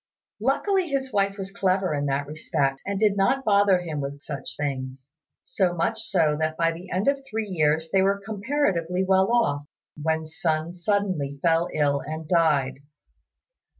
Luckily his wife was clever in that respect, and did not bother him with such things; so much so that by the end of three years they were comparatively well off, when Sun suddenly fell ill and died.